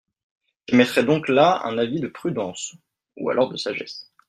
J’émettrai donc là un avis de prudence, ou alors de sagesse.